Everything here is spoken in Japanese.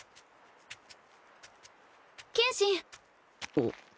あっ。